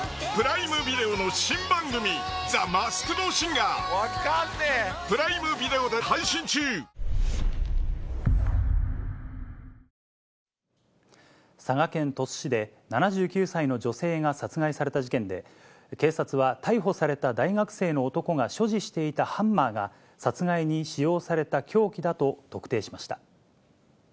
バイデン政権は、佐賀県鳥栖市で、７９歳の女性が殺害された事件で、警察は、逮捕された大学生の男が所持していたハンマーが、殺害に使用された凶器だと特定しました。